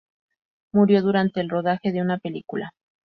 Murió durante el rodaje de una película.